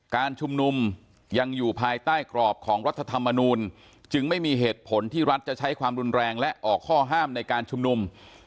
การชุมนุมยังอยู่ภายใต้กรอบของรัฐธรรมนูลจึงไม่มีเหตุผลที่รัฐจะใช้ความรุนแรงและออกข้อห้ามในการชุมนุม